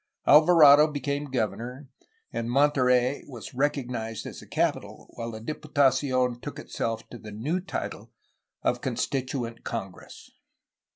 Alvarado became gov ernor, and Monterey was recognized as the capital, while the Diputacion took to itself the new title of '^Constituent Congress.'